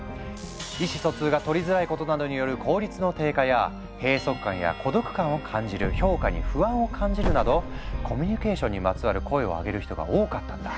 「意思疎通が取りづらいことなどによる効率の低下」や「閉塞感や孤独感を感じる」「評価に不安を感じる」などコミュニケーションにまつわる声を上げる人が多かったんだ。